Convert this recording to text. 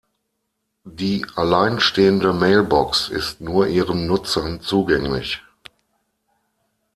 Die alleinstehende Mailbox ist nur ihren Nutzern zugänglich.